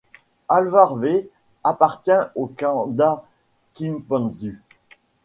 Alvare V appartient au kanda Kimpanzu.